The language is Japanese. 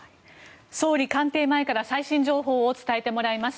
総理官邸前から最新情報を伝えてもらいます。